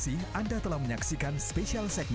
pesona ini dapat dinikmati jika wisata dibuka kembali